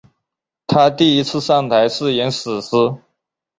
她第一次上台是演死尸。